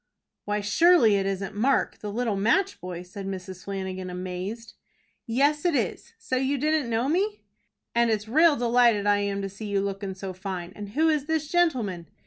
"Why, surely it isn't Mark, the little match boy?" said Mrs. Flanagan, amazed. "Yes, it is. So you didn't know me?" "And it's rale delighted I am to see you lookin' so fine. And who is this gentleman?"